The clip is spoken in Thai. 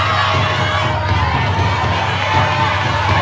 สวัสดีค่ะ